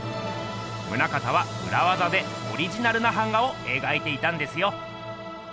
棟方はうらわざでオリジナルな版画をえがいていたんですよ。